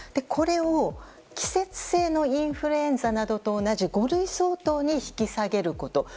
これを季節性のインフルエンザなどと同じ五類相当に引き下げること。